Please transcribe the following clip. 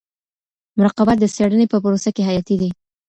مراقبت د څيړني په پروسه کي حیاتي دی.